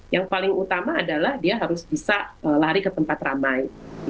yang paling utama adalah dia harus bisa lari ke tempat ramai